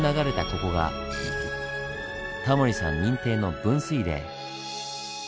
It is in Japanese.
ここがタモリさん認定の分水嶺！